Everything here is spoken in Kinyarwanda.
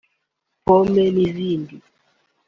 pomme n’izindi